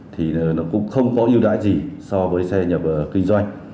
thì nó cũng không có ưu đãi gì so với xe nhập kinh doanh